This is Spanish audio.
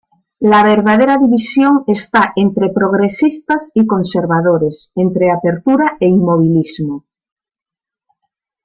La verdadera división está entre progresistas y conservadores, entre apertura e inmovilismo.